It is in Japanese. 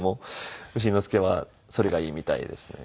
丑之助はそれがいいみたいですね